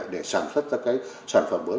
để sản xuất ra sản phẩm mới